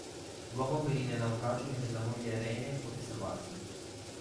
L'uomo perì nel naufragio mentre la moglie Rene poté salvarsi.